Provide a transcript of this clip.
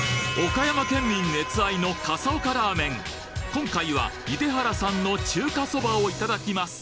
今回はいではらさんの中華そばをいただきます